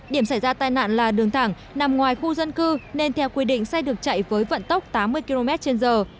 điểm xảy ra tai nạn là đường thẳng nằm ngoài khu dân cư nên theo quy định xe được chạy với vận tốc tám mươi km trên giờ